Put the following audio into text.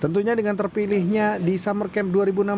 tentunya dengan terpilihnya di summer camp dua ribu enam belas